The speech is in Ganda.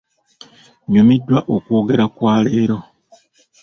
Nyumiddwa okwogera kwo leero.